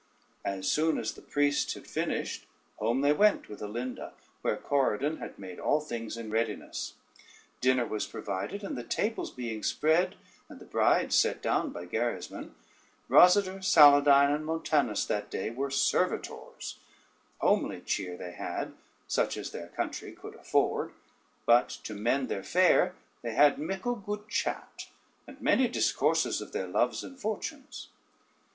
As soon as the priest had finished, home they went with Alinda, where Corydon had made all things in readiness. Dinner was provided, and the tables being spread, and the brides set down by Gerismond, Rosader, Saladyne, and Montanus that day were servitors; homely cheer they had, such as their country could afford, but to mend their fare they had mickle good chat, and many discourses of their loves and fortunes.